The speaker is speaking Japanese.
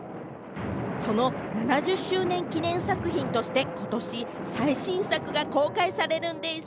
その７０周年記念作品として、ことし最新作が公開されるんでぃす。